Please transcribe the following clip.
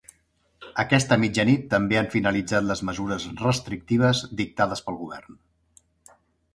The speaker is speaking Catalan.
Aquesta mitjanit també han finalitzat les mesures restrictives dictades pel govern.